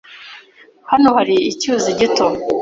Hano hari icyuzi gito.